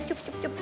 cukup cukup cukup